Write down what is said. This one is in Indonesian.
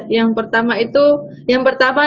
yang pertama itu yang pertama